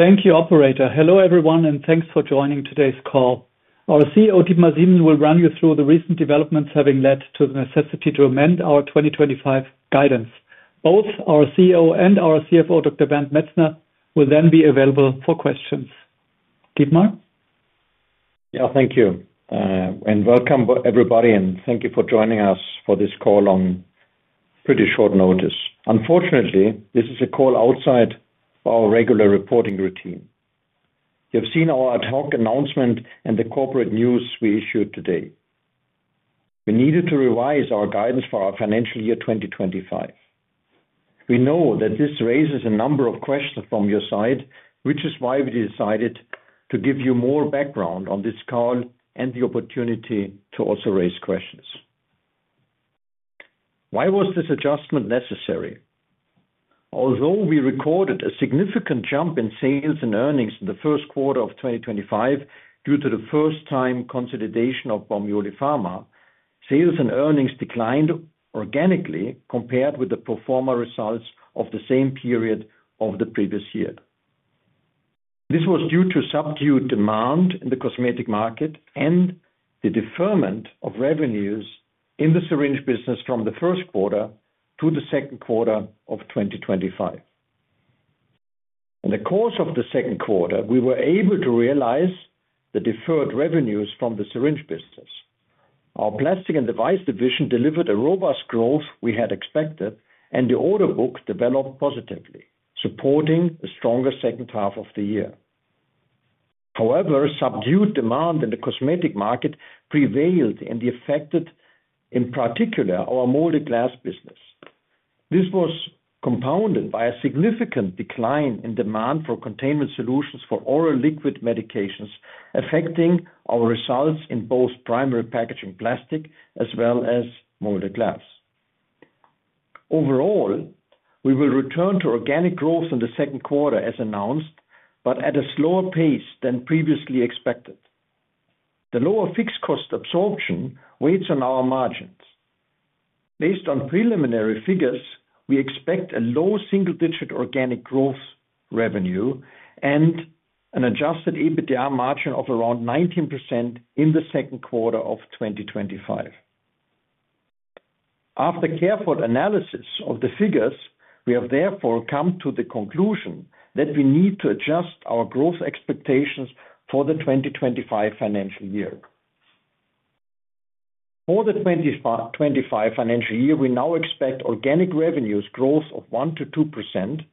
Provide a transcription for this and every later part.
Thank you, Operator. Hello everyone, and thanks for joining today's call. Our CEO, Dietmar Siemssen, will run you through the recent developments having led to the necessity to amend our 2025 guidance. Both our CEO and our CFO, Dr. Bernd Metzner, will then be available for questions. Dietmar? Yeah, thank you. Welcome everybody, and thank you for joining us for this call on pretty short notice. Unfortunately, this is a call outside our regular reporting routine. You have seen our ad hoc announcement and the corporate news we issued today. We needed to revise our guidance for our financial year 2025. We know that this raises a number of questions from your side, which is why we decided to give you more background on this call and the opportunity to also raise questions. Why was this adjustment necessary? Although we recorded a significant jump in sales and earnings in the first quarter of 2025 due to the first-time consolidation of Bormioli Pharma, sales and earnings declined organically compared with the pro forma results of the same period of the previous year. This was due to subdued demand in the cosmetic market and the deferment of revenues in the syringe business from the first quarter to the second quarter of 2025. In the course of the second quarter, we were able to realize the deferred revenues from the syringe business. Our plastic and device division delivered a robust growth we had expected, and the order book developed positively, supporting a stronger second half of the year. However, subdued demand in the cosmetic market prevailed and affected, in particular, our molded glass business. This was compounded by a significant decline in demand for containment solutions for oral liquid medications, affecting our results in both primary packaging plastic as well as molded glass. Overall, we will return to organic growth in the second quarter, as announced, but at a slower pace than previously expected. The lower fixed cost absorption weights on our margins. Based on preliminary figures, we expect a low single-digit organic growth revenue and an adjusted EBITDA margin of around 19% in the second quarter of 2025. After careful analysis of the figures, we have therefore come to the conclusion that we need to adjust our growth expectations for the 2025 financial year. For the 2025 financial year, we now expect organic revenue growth of 1%-2%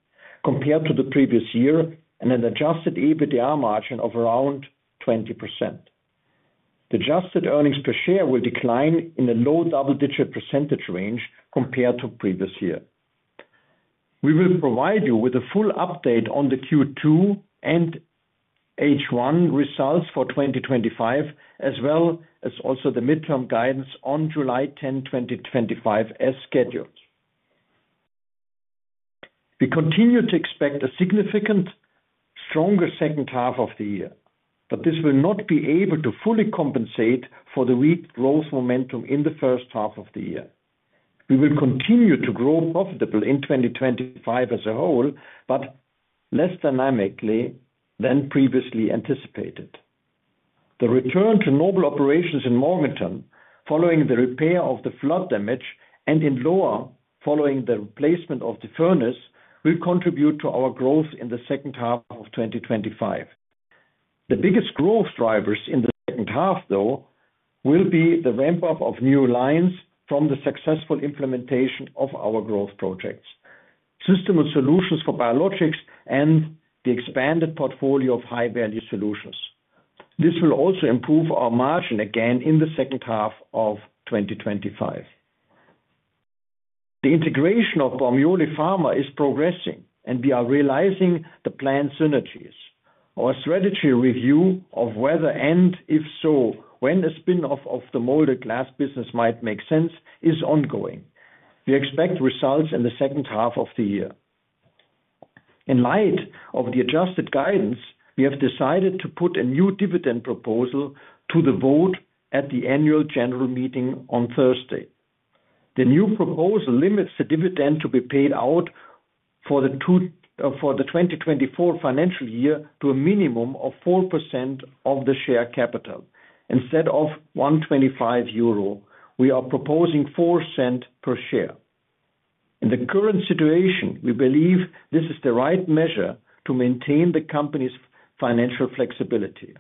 compared to the previous year and an adjusted EBITDA margin of around 20%. The adjusted earnings per share will decline in a low double-digit percentage range compared to the previous year. We will provide you with a full update on the Q2 and H1 results for 2025, as well as also the midterm guidance on July 10, 2025, as scheduled. We continue to expect a significant, stronger second half of the year, but this will not be able to fully compensate for the weak growth momentum in the first half of the year. We will continue to grow profitably in 2025 as a whole, but less dynamically than previously anticipated. The return to normal operations in Morganton, following the repair of the flood damage, and in Lohr, following the replacement of the furnace, will contribute to our growth in the second half of 2025. The biggest growth drivers in the second half, though, will be the ramp-up of new lines from the successful implementation of our growth projects, system and solutions for biologics, and the expanded portfolio of high-value solutions. This will also improve our margin again in the second half of 2025. The integration of Bormioli Pharma is progressing, and we are realizing the planned synergies. Our strategy review of whether, and if so, when a spin-off of the molded glass business might make sense, is ongoing. We expect results in the second half of the year. In light of the adjusted guidance, we have decided to put a new dividend proposal to the vote at the annual general meeting on Thursday. The new proposal limits the dividend to be paid out for the 2024 financial year to a minimum of 4% of the share capital. Instead of 125 euro, we are proposing 4% per share. In the current situation, we believe this is the right measure to maintain the company's financial flexibility.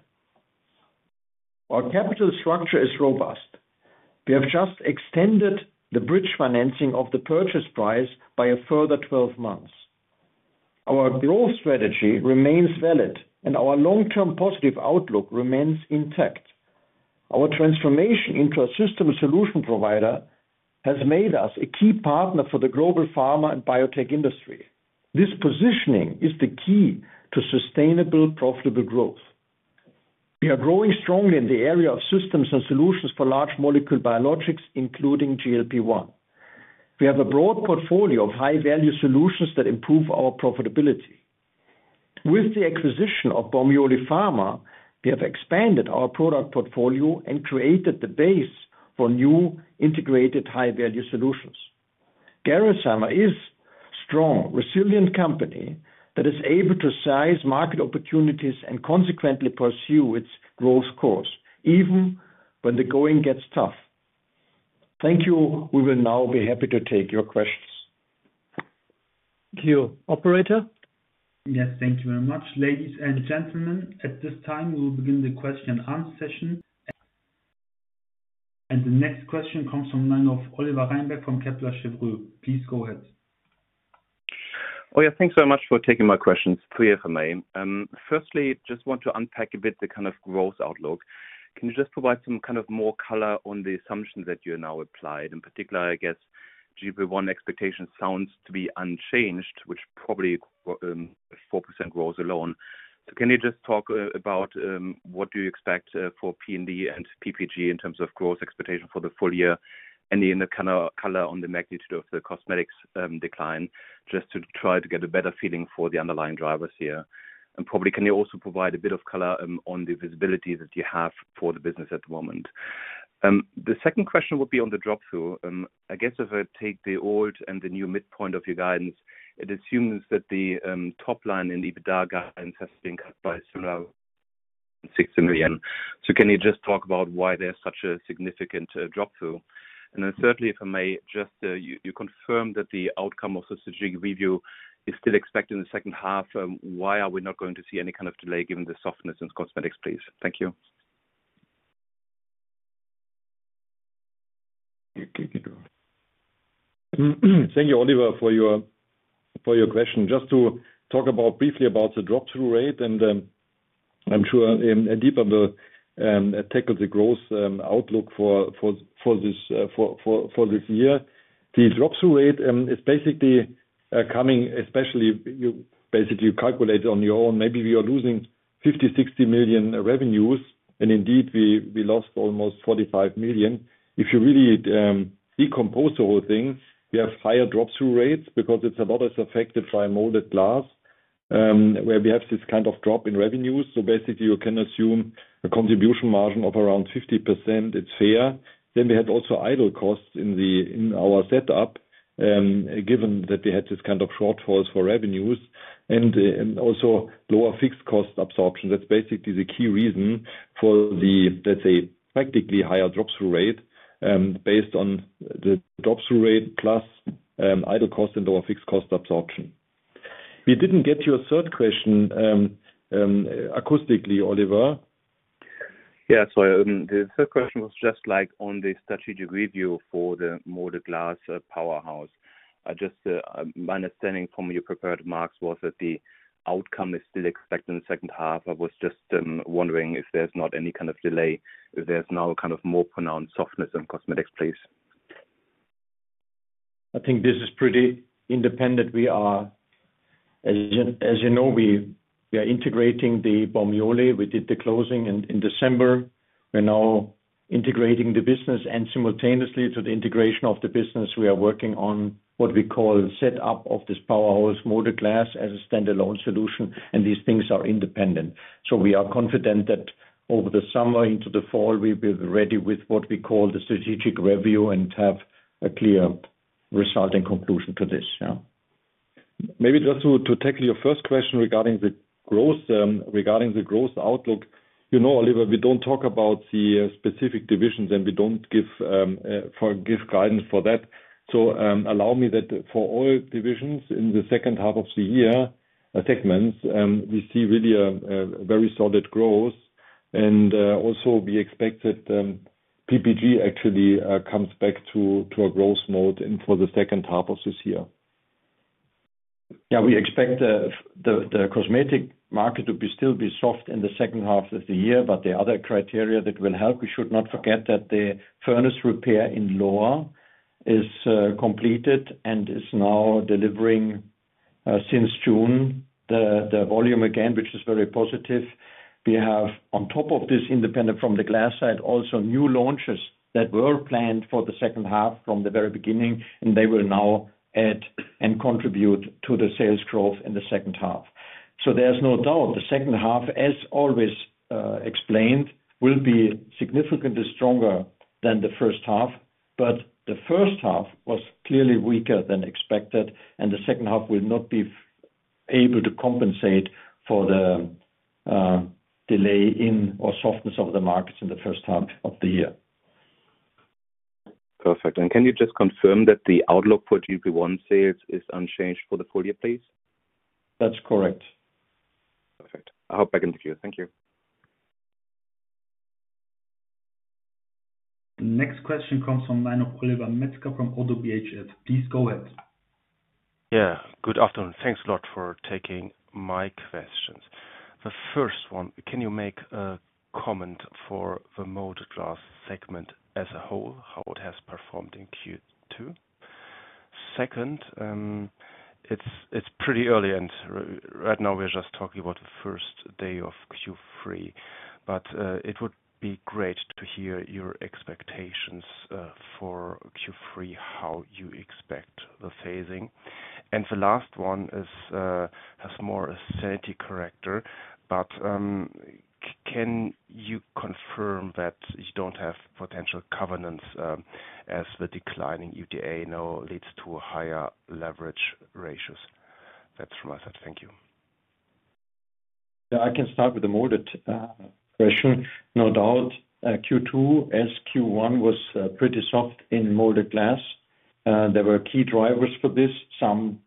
Our capital structure is robust. We have just extended the bridge financing of the purchase price by a further 12 months. Our growth strategy remains valid, and our long-term positive outlook remains intact. Our transformation into a system and solution provider has made us a key partner for the global pharma and biotech industry. This positioning is the key to sustainable, profitable growth. We are growing strongly in the area of systems and solutions for large molecule biologics, including GLP-1. We have a broad portfolio of high-value solutions that improve our profitability. With the acquisition of Bormioli Pharma, we have expanded our product portfolio and created the base for new integrated high-value solutions. Gerresheimer is a strong, resilient company that is able to size market opportunities and consequently pursue its growth course, even when the going gets tough. Thank you. We will now be happy to take your questions. Thank you. Operator? Yes, thank you very much. Ladies and gentlemen, at this time, we will begin the question-and-answer session. The next question comes from the name of Oliver Reinberg from Kepler Cheuvreux. Please go ahead. Oh, yeah, thanks very much for taking my questions. Three here for me. Firstly, just want to unpack a bit the kind of growth outlook. Can you just provide some kind of more color on the assumptions that you have now applied? In particular, I guess GLP-1 expectation sounds to be unchanged, which probably 4% growth alone. Can you just talk about what do you expect for P&D and PPG in terms of growth expectation for the full year? Any kind of color on the magnitude of the cosmetics decline? Just to try to get a better feeling for the underlying drivers here. Probably, can you also provide a bit of color on the visibility that you have for the business at the moment? The second question would be on the drop-through. I guess if I take the old and the new midpoint of your guidance, it assumes that the top line in EBITDA guidance has been cut by a similar 6 million. Can you just talk about why there's such a significant drop-through? And then thirdly, if I may, just you confirm that the outcome of the strategic review is still expected in the second half. Why are we not going to see any kind of delay given the softness in cosmetics, please? Thank you. Thank you, Oliver, for your question. Just to talk briefly about the drop-through rate, and I'm sure Dietmar will tackle the growth outlook for this year. The drop-through rate is basically coming, especially you basically calculate on your own. Maybe we are losing 50 million-60 million revenues, and indeed, we lost almost 45 million. If you really decompose the whole thing, we have higher drop-through rates because it's a lot less affected by molded glass, where we have this kind of drop in revenues. You can assume a contribution margin of around 50%. It's fair. Then we had also idle costs in our setup, given that we had this kind of shortfalls for revenues, and also lower fixed cost absorption. That's basically the key reason for the, let's say, practically higher drop-through rate, based on the drop-through rate plus idle cost and lower fixed cost absorption. We didn't get your third question acoustically, Oliver. Yeah, sorry. The third question was just like on the strategic review for the molded glass powerhouse. Just my understanding from your prepared marks was that the outcome is still expected in the second half. I was just wondering if there's not any kind of delay, if there's now kind of more pronounced softness in cosmetics, please. I think this is pretty independent. As you know, we are integrating the Bormioli. We did the closing in December. We're now integrating the business, and simultaneously to the integration of the business, we are working on what we call setup of this powerhouse molded glass as a standalone solution, and these things are independent. So we are confident that over the summer into the fall, we'll be ready with what we call the strategic review and have a clear result and conclusion to this. Yeah. Maybe just to tackle your first question regarding the growth outlook, you know, Oliver, we don't talk about the specific divisions, and we don't give guidance for that. So allow me that for all divisions in the second half of the year segments, we see really a very solid growth. We also expect that PPG actually comes back to a growth mode for the second half of this year. We expect the cosmetic market to still be soft in the second half of the year, but the other criteria that will help, we should not forget that the furnace repair in Lohr is completed and is now delivering since June the volume again, which is very positive. We have, on top of this independent from the glass side, also new launches that were planned for the second half from the very beginning, and they will now add and contribute to the sales growth in the second half. There's no doubt the second half, as always explained, will be significantly stronger than the first half, but the first half was clearly weaker than expected, and the second half will not be able to compensate for the delay in or softness of the markets in the first half of the year. Perfect. Can you just confirm that the outlook for GLP-1 sales is unchanged for the full year, please? That's correct. Perfect. I hope I can hear you. Thank you. Next question comes from Olivier Metzger from ODDO BHF. Please go ahead. Yeah. Good afternoon. Thanks a lot for taking my questions. The first one, can you make a comment for the molded glass segment as a whole, how it has performed in Q2? Second, it's pretty early, and right now, we're just talking about the first day of Q3, but it would be great to hear your expectations for Q3, how you expect the phasing. And the last one has more sanity character, but can you confirm that you don't have potential covenants as the declining EBITDA now leads to higher leverage ratios? That's from my side. Thank you. Yeah, I can start with the molded question. No doubt, Q2, as Q1, was pretty soft in molded glass. There were key drivers for this. Some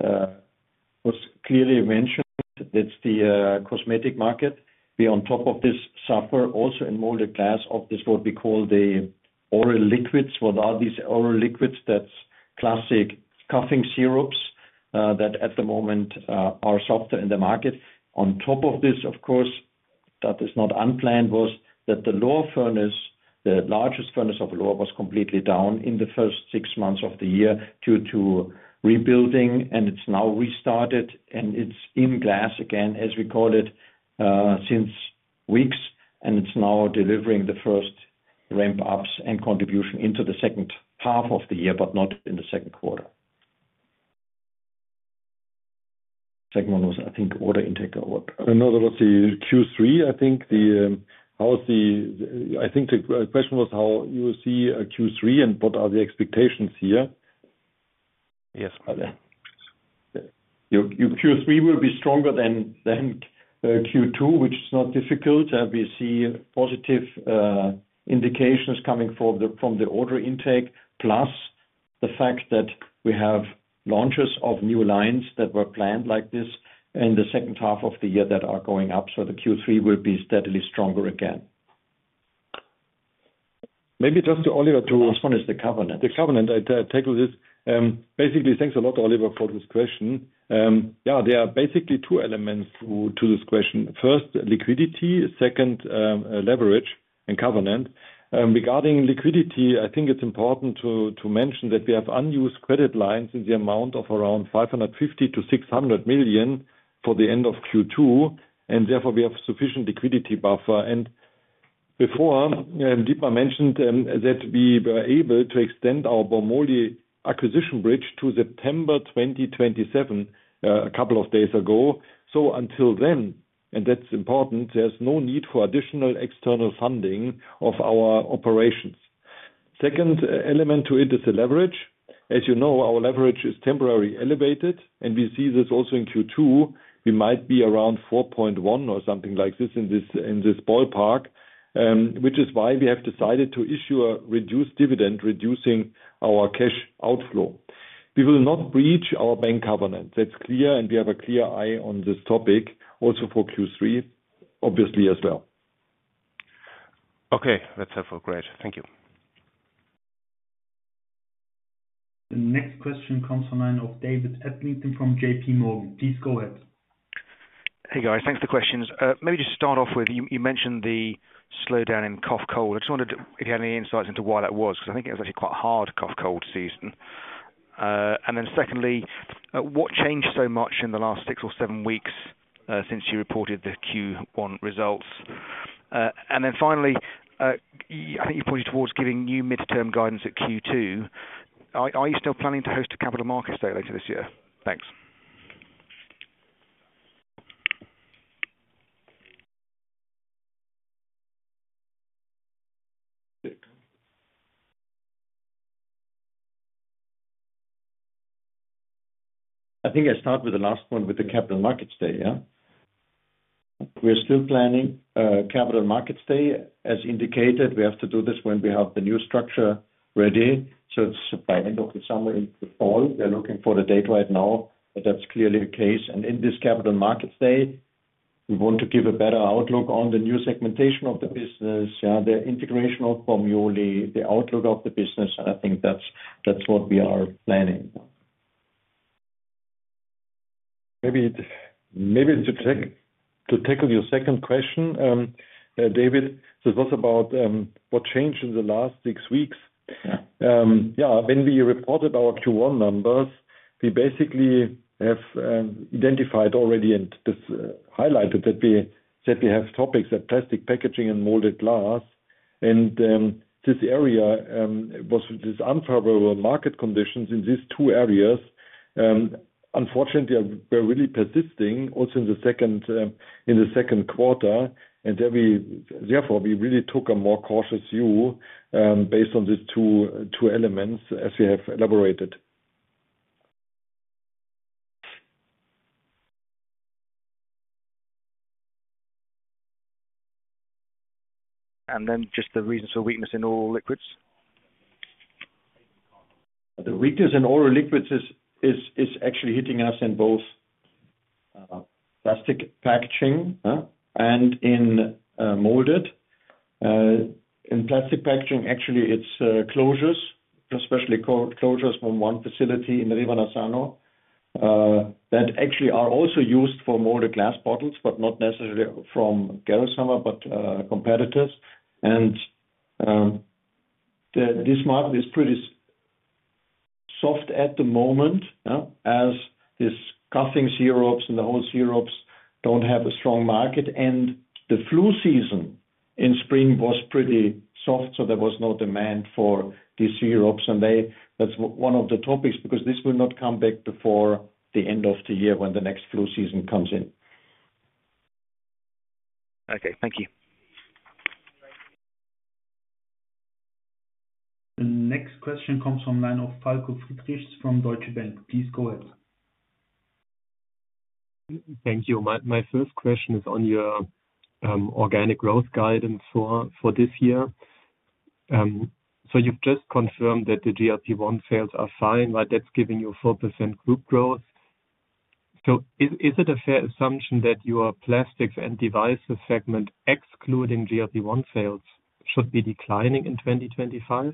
was clearly mentioned. That's the cosmetic market. We, on top of this, suffer also in molded glass of this, what we call the oral liquids. What are these oral liquids? That's classic coughing syrups that, at the moment, are softer in the market. On top of this, of course, that is not unplanned, was that the Lohr furnace, the largest furnace of Lohr, was completely down in the first six months of the year due to rebuilding, and it's now restarted, and it's in glass again, as we call it, since weeks, and it's now delivering the first ramp-ups and contribution into the second half of the year, but not in the second quarter. Second one was, I think, order intake. No, that was the Q3, I think. I think the question was how you see Q3 and what are the expectations here. Yes. Your Q3 will be stronger than Q2, which is not difficult. We see positive indications coming from the order intake, plus the fact that we have launches of new lines that were planned like this in the second half of the year that are going up. The Q3 will be steadily stronger again. Maybe just to Olivier, too. Which one is the covenant? The covenant, I tackle this. Basically, thanks a lot, Olivier, for this question. Yeah, there are basically two elements to this question. First, liquidity. Second, leverage and covenant. Regarding liquidity, I think it's important to mention that we have unused credit lines in the amount of around 550 million-600 million for the end of Q2, and therefore, we have sufficient liquidity buffer. Before, Dietmar mentioned that we were able to extend our Bormioli acquisition bridge to September 2027, a couple of days ago. Until then, and that's important, there's no need for additional external funding of our operations. Second element to it is the leverage. As you know, our leverage is temporarily elevated, and we see this also in Q2. We might be around 4.1 or something like this in this ballpark, which is why we have decided to issue a reduced dividend, reducing our cash outflow. We will not breach our bank covenant. That's clear, and we have a clear eye on this topic, also for Q3, obviously as well. Okay. That's helpful. Great. Thank you. The next question comes from a line of David Adlington from JPMorgan. Please go ahead. Hey, guys. Thanks for the questions. Maybe just to start off with, you mentioned the slowdown in cough cold. I just wondered if you had any insights into why that was, because I think it was actually quite hard cough cold season. Secondly, what changed so much in the last six or seven weeks since you reported the Q1 results? Finally, I think you pointed towards giving new midterm guidance at Q2. Are you still planning to host a Capital Markets Day later this year? Thanks. I think I start with the last one with the Capital Markets Day, yeah? We're still planning Capital Markets Day. As indicated, we have to do this when we have the new structure ready. It is by end of the summer into the fall. They are looking for the date right now, but that is clearly the case. In this Capital Markets Day, we want to give a better outlook on the new segmentation of the business, the integration of Bormioli, the outlook of the business. I think that is what we are planning. Maybe to tackle your second question, David, this was about what changed in the last six weeks. Yeah, when we reported our Q1 numbers, we basically have identified already and highlighted that we have topics at plastic packaging and molded glass. This area was with these unfavorable market conditions in these two areas. Unfortunately, they're really persisting also in the second quarter. Therefore, we really took a more cautious view based on these two elements, as you have elaborated. Just the reasons for weakness in oral liquids? The weakness in oral liquids is actually hitting us in both plastic packaging and in molded. In plastic packaging, actually, it's closures, especially closures from one facility in the Rivanazzano that actually are also used for molded glass bottles, but not necessarily from Gerresheimer, but competitors. This market is pretty soft at the moment, as these coughing syrups and the whole syrups do not have a strong market. The flu season in spring was pretty soft, so there was no demand for these syrups. That is one of the topics, because this will not come back before the end of the year when the next flu season comes in. Okay. Thank you. The next question comes from a line of Falko Friedrichs from Deutsche Bank. Please go ahead. Thank you. My first question is on your organic growth guidance for this year. You have just confirmed that the GLP-1 sales are fine, right? That is giving you a 4% group growth. Is it a fair assumption that your plastics and devices segment, excluding GLP-1 sales, should be declining in 2025?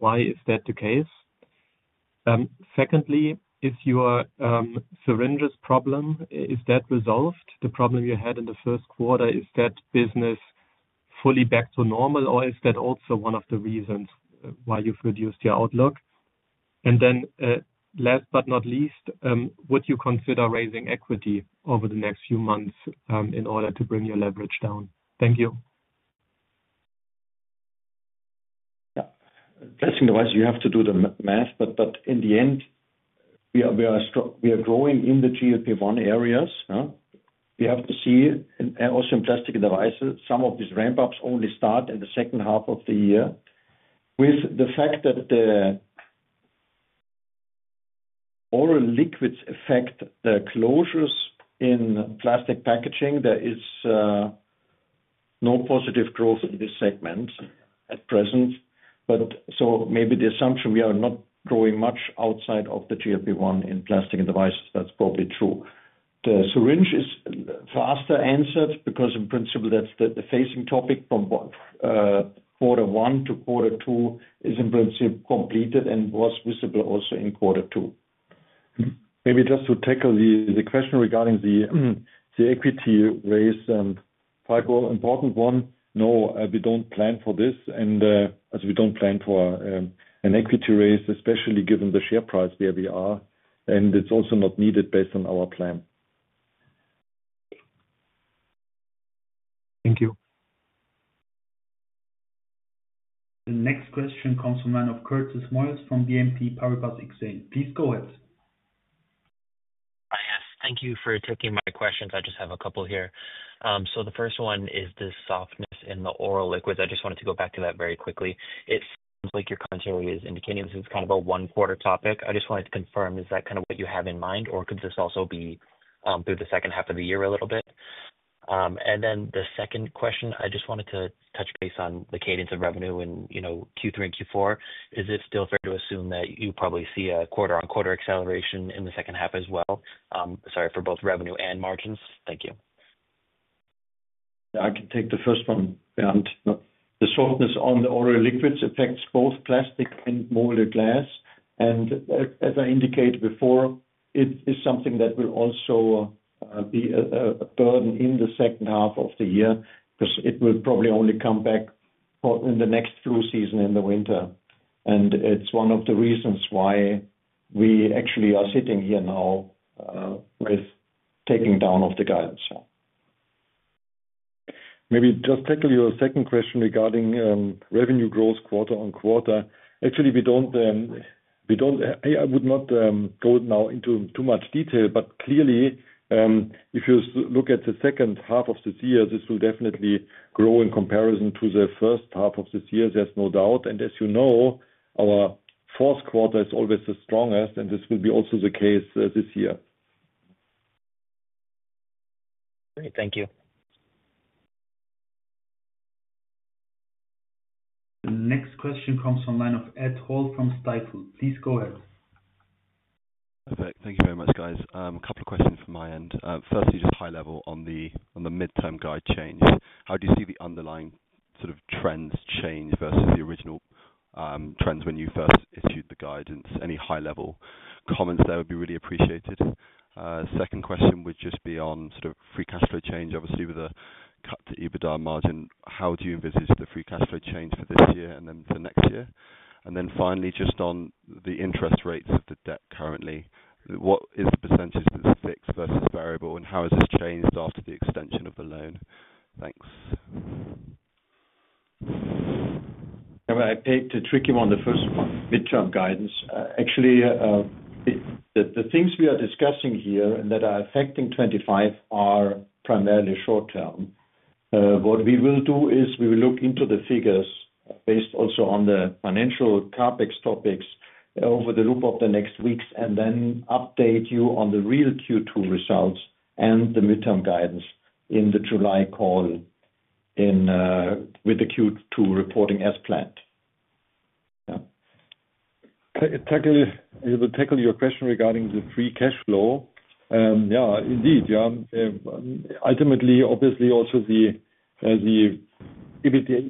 Why is that the case? Secondly, is your syringes problem resolved? The problem you had in the first quarter, is that business fully back to normal, or is that also one of the reasons why you have reduced your outlook? Last but not least, would you consider raising equity over the next few months in order to bring your leverage down? Thank you. Yeah. Plastic devices, you have to do the math, but in the end, we are growing in the GLP-1 areas. We have to see also in plastic devices, some of these ramp-ups only start in the second half of the year. With the fact that the oral liquids affect the closures in plastic packaging, there is no positive growth in this segment at present. Maybe the assumption we are not growing much outside of the GLP-1 in plastic and devices, that's probably true. The syringe is faster answered, because in principle, that's the phasing topic from quarter one to quarter two is in principle completed and was visible also in quarter two. Maybe just to tackle the question regarding the equity raise, Falko, important one. No, we do not plan for this, and we do not plan for an equity raise, especially given the share price where we are, and it is also not needed based on our plan. Thank you. The next question comes from a line of Curtis Moiles from BNP Paribas Exane. Please go ahead. Hi, yes. Thank you for taking my questions. I just have a couple here. The first one is this softness in the oral liquids. I just wanted to go back to that very quickly. It sounds like your commentary is indicating this is kind of a one-quarter topic. I just wanted to confirm, is that kind of what you have in mind, or could this also be through the second half of the year a little bit? The second question, I just wanted to touch base on the cadence of revenue in Q3 and Q4. Is it still fair to assume that you probably see a quarter-on-quarter acceleration in the second half as well? Sorry, for both revenue and margins? Thank you. Yeah, I can take the first one. The softness on the oral liquids affects both plastic and molded glass. As I indicated before, it is something that will also be a burden in the second half of the year, because it will probably only come back in the next flu season in the winter. It is one of the reasons why we actually are sitting here now with taking down of the guidance. Maybe just tackle your second question regarding revenue growth quarter on quarter. Actually, we do not—I would not go now into too much detail, but clearly, if you look at the second half of this year, this will definitely grow in comparison to the first half of this year. There is no doubt. As you know, our fourth quarter is always the strongest, and this will be also the case this year. Great. Thank you. The next question comes from a line of Ed Hall from Stifel. Please go ahead. Perfect. Thank you very much, guys. A couple of questions from my end. Firstly, just high level on the midterm guide change. How do you see the underlying sort of trends change versus the original trends when you first issued the guidance? Any high-level comments there would be really appreciated. Second question would just be on sort of free cash flow change, obviously, with a cut to EBITDA margin. How do you envisage the free cash flow change for this year and then for next year? And then finally, just on the interest rates of the debt currently, what is the percentage that's fixed versus variable, and how has this changed after the extension of the loan? Thanks. Yeah, I paid to trick you on the first one, midterm guidance. Actually, the things we are discussing here that are affecting 2025 are primarily short-term. What we will do is we will look into the figures based also on the financial CapEx topics over the loop of the next weeks, and then update you on the real Q2 results and the midterm guidance in the July call with the Q2 reporting as planned. It will tackle your question regarding the free cash flow. Yeah, indeed. Ultimately, obviously, also the EBITDA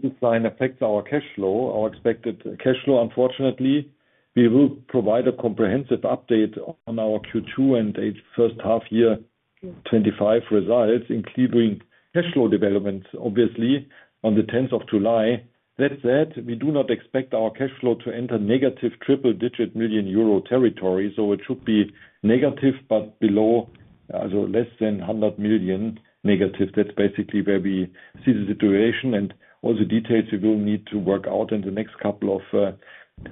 baseline affects our cash flow, our expected cash flow. Unfortunately, we will provide a comprehensive update on our Q2 and first half year 2025 results, including cash flow developments, obviously, on the 10th of July. That said, we do not expect our cash flow to enter negative triple-digit million euro territory. It should be negative, but below, so less than 100 million-. That is basically where we see the situation. All the details we will need to work out in the next couple of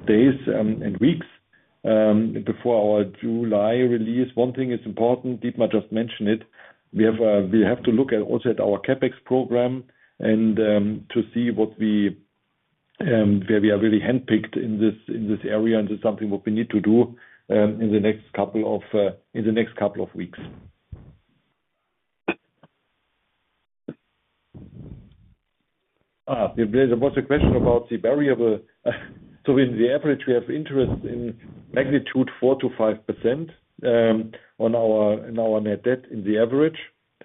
days and weeks before our July release. One thing is important, Dietmar just mentioned it. We have to look also at our CapEx program and to see where we are really handpicked in this area. This is something that we need to do in the next couple of weeks. There was a question about the variable. In the average, we have interest in magnitude 4%-5% on our net debt in the average.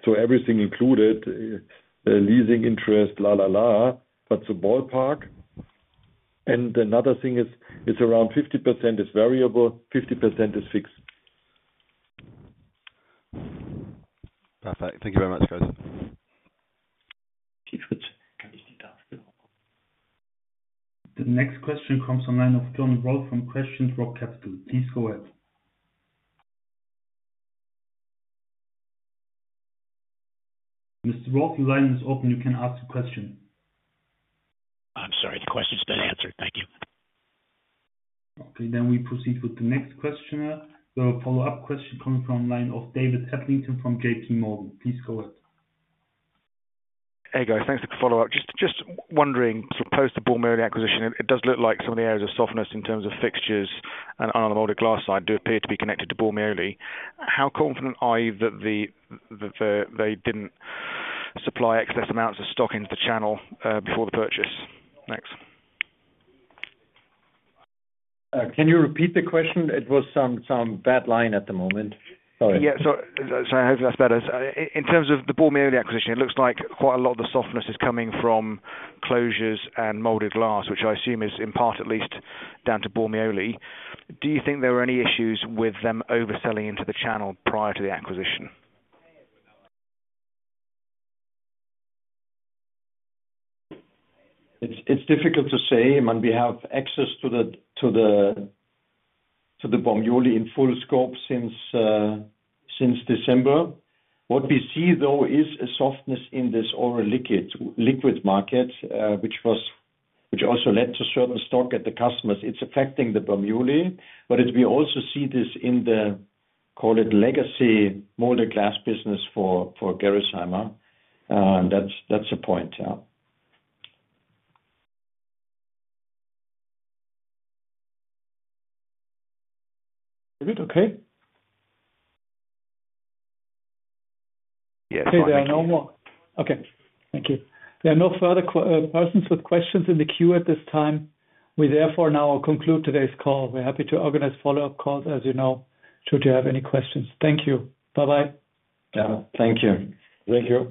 Everything included, leasing interest, la, la, la, but the ballpark. Another thing is around 50% is variable, 50% is fixed. Perfect. Thank you very much, guys. The next question comes from a line of John Rolfe from Crescent Rock Capital. Please go ahead. Mr. Rolfe, your line is open. You can ask a question. I'm sorry. The question's been answered. Thank you. Okay. We proceed with the next questioner. There are follow-up questions coming from a line of David Adlington from JPMorgan. Please go ahead. Hey, guys. Thanks for the follow-up. Just wondering, sort of post the Bormioli acquisition, it does look like some of the areas of softness in terms of fixtures and on the molded glass side do appear to be connected to Bormioli. How confident are you that they did not supply excess amounts of stock into the channel before the purchase? Thanks. Can you repeat the question? It was some bad line at the moment. Sorry. Yeah. I hope that's better. In terms of the Bormioli acquisition, it looks like quite a lot of the softness is coming from closures and molded glass, which I assume is in part at least down to Bormioli. Do you think there were any issues with them overselling into the channel prior to the acquisition? It's difficult to say. I mean, we have access to the Bormioli in full scope since December. What we see, though, is a softness in this oral liquid market, which also led to certain stock at the customers. It's affecting the Bormioli, but we also see this in the, call it, legacy molded glass business for Gerresheimer. That's a point, yeah. David, okay? Yes. Okay. There are no more. Okay. Thank you. There are no further questions with questions in the queue at this time. We therefore now conclude today's call. We're happy to organize follow-up calls, as you know, should you have any questions. Thank you. Bye-bye. Yeah. Thank you. Thank you.